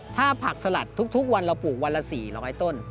ถ้าผักสลัดทุกวันเราปลูกวันละ๔๐๐ต้น